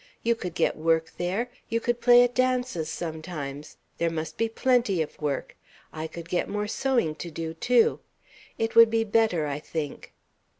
You could get work there. You could play at dances sometimes; there must be plenty of work. I could get more sewing to do, too. It would be better, I think."